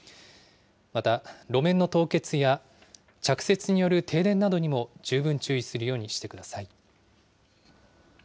また路面の凍結や着雪による停電などにも十分注意するようにしてください。